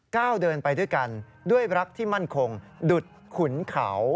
ก้าวเดินไปด้วยกันด้วยรักที่มั่นคงดุดขุนเขา